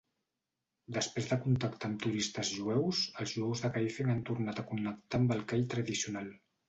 Després de contactar amb turistes jueus, els jueus de Kaifeng han tornat a connectar amb el call tradicional.